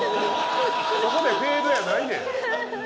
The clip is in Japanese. そこでフェードやないねん。